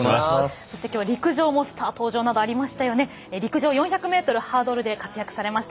そして、きょう陸上のスター登場などもありました。